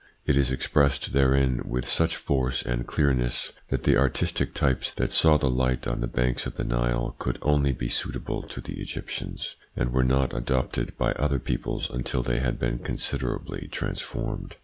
It is expressed therein with such force and clearness that the artistic types that saw the light on the banks of the Nile could only be suitable to the Egyptians, and were not adopted by other peoples until they had been considerably trans formed.